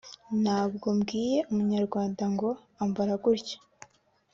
Ntabwo mbwiye umunyarwanda ngo ambara gutya